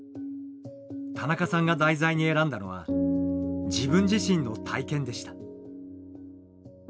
田中さんが題材に選んだのは自分自身の体験でした。